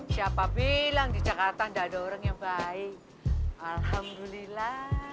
siapa bilang di jakarta tidak ada orang yang baik alhamdulillah